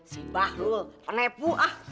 si bahlul penepu ah